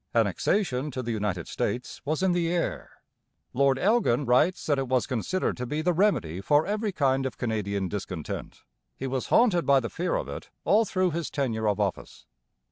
Annexation to the United States was in the air. Lord Elgin writes that it was considered to be the remedy for every kind of Canadian discontent. He was haunted by the fear of it all through his tenure of office.